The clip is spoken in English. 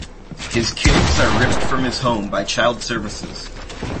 His kids are ripped from his home by Child Services.